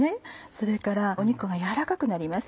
それから肉がやわらかくなります。